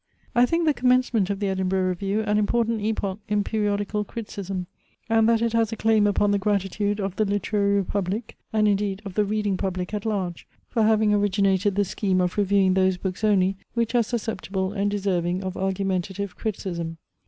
I think the commencement of the EDINBURGH REVIEW an important epoch in periodical criticism; and that it has a claim upon the gratitude of the literary republic, and indeed of the reading public at large, for having originated the scheme of reviewing those books only, which are susceptible and deserving of argumentative criticism.